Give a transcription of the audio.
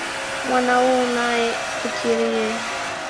Mwana huu nae ukirie.